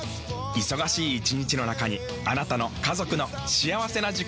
忙しい一日の中にあなたの家族の幸せな時間をつくります。